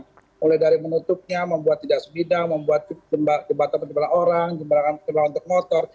mulai dari menutupnya membuat bidang sebidang membuat jembatan untuk jembatan orang jembatan untuk motor